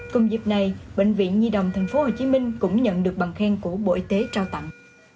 cùng dịp này bệnh viện nhi đồng tp hồ chí minh cũng nhận được bằng khen của bộ y tế trao tặng